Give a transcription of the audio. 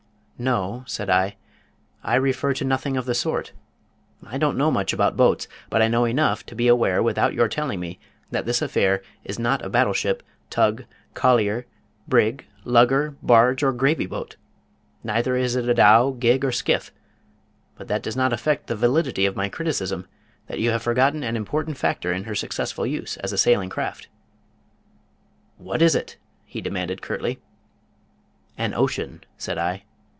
"No," said I. "I refer to nothing of the sort. I don't know much about boats, but I know enough to be aware without your telling me, that this affair is not a battle ship, tug, collier, brig, lugger, barge or gravy boat. Neither is it a dhow, gig or skiff. But that does not affect the validity of my criticism that you have forgotten an important factor in her successful use as a sailing craft." "What is it?" he demanded, curtly. "An ocean," said I.